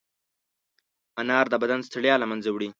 انار د بدن ستړیا له منځه وړي.